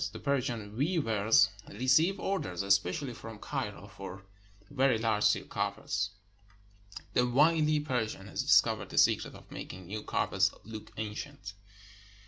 The Persian weavers receive orders, especially from Cairo, for very large silk carpets. The wily Persian has discovered the secret of making new carpets look ancient.